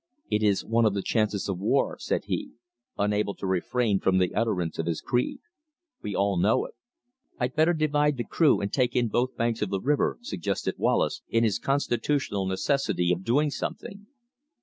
"It is one of the chances of war," said he, unable to refrain from the utterance of his creed. "We all know it." "I'd better divide the crew and take in both banks of the river," suggested Wallace in his constitutional necessity of doing something.